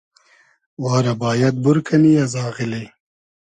وا رۂ بایئد بور کئنی از آغیلی